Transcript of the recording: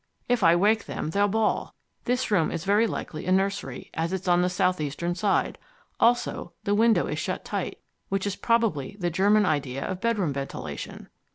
If I wake them, they'll bawl. This room is very likely a nursery, as it's on the southeastern side. Also, the window is shut tight, which is probably the German idea of bedroom ventilation."